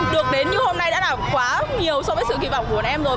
được đến như hôm nay đã là quá nhiều so với sự kỳ vọng của bọn em rồi